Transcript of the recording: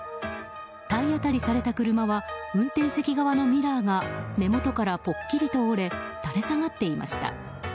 体当たりされた車は運転席側のミラーが根元からぽっきりと折れ垂れ下がっていました。